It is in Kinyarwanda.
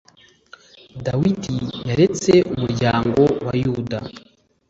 dawidi yaretse umuryango wa yuda .